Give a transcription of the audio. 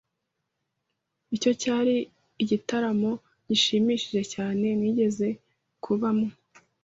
Icyo cyari igitaramo gishimishije cyane nigeze kubamo.